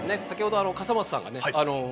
先ほど笠松さんがね